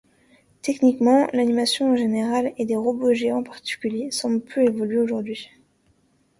Techniquement, l'animation en général et des robots géants en particulier, semble peu évoluée aujourd'hui.